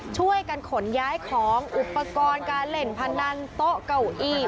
ช่วยกันขนย้ายของอุปกรณ์การเล่นพนันโต๊ะเก้าอี้